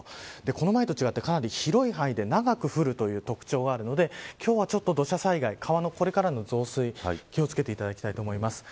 この前と違ってかなり広い範囲で長く降るという特徴があるので今日は、土砂災害川のこれからの増水気を付けていただきたいと思います。